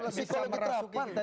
kalau bisa merasukin